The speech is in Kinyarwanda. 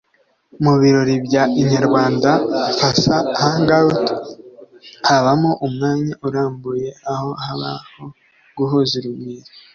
Mu birori bya Inyarwanda Fansa Hangout habamo umwanya urambuye aho habaho guhuza urugwiro